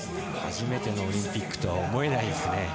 初めてのオリンピックとは思えないですね。